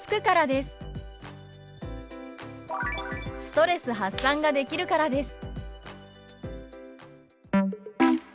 「ストレス発散ができるからです」。